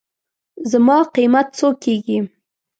زما قېمت څو کېږي.